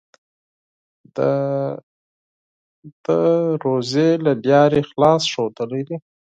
ده د روژې له لارې اخلاص ښودلی دی.